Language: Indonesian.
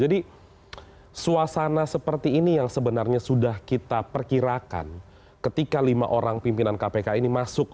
jadi suasana seperti ini yang sebenarnya sudah kita perkirakan ketika lima orang pimpinan kpk ini masuk